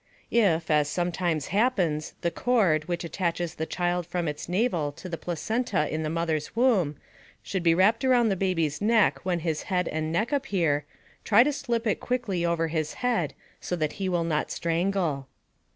If, as sometimes happens, the cord, which attaches the child from its navel to the placenta in the mother's womb, should be wrapped around the baby's neck when his head and neck appear, try to slip it quickly over his head so that he will not strangle.